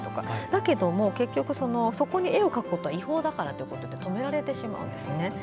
だけども結局そこに絵を描くことは違法だからってことで止められてしまうんですよね。